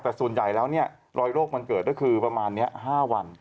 แต่ส่วนใหญ่แล้วเนี่ยรอยโรคมันเกิดก็คือประมาณนี้๕วัน